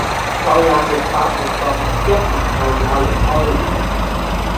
再也沒法活動；一年後也離開了